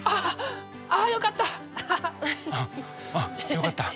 よかった。